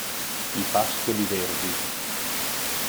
I pascoli verdi.